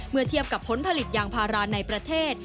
เทียบกับผลผลิตยางพาราในประเทศ